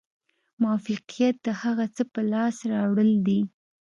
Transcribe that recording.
موفقیت د هغه څه په لاس راوړل دي.